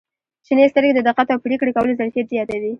• شنې سترګې د دقت او پرېکړې کولو ظرفیت زیاتوي.